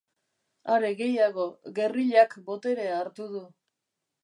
Are gehiago, gerrillak boterea hartu du.